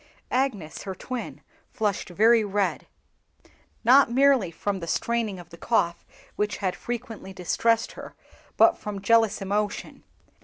Agnes, her twin, flushed very red, not merely from the straining of the cough which had frequently distressed her, but from jealous emotion.